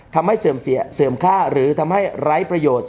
ทำให้เสื่อมเสียเสื่อมค่าหรือทำให้ไร้ประโยชน์